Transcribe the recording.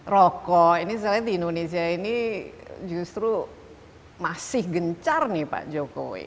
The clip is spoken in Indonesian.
rokok ini sebenarnya di indonesia ini justru masih gencar nih pak jokowi